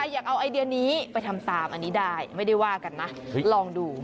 อยากเอาไอเดียนี้ไปทำตามอันนี้ได้ไม่ได้ว่ากันนะลองดู